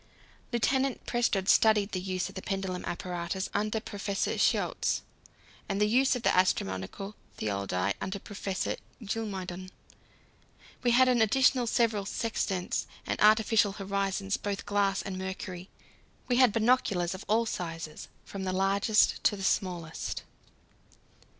Lieutenant Prestrud studied the use of the pendulum apparatus under Professor Schiotz and the use of the astronomical theodolite under Professor Geelmuyden. We had in addition several sextants and artificial horizons, both glass and mercury. We had binoculars of all sizes, from the largest to the smallest.